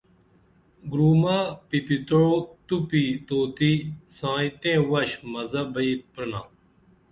گُرمہ پِپِتوع تُوپی طوطی سائں تئں وش مزہ بئی پرِنا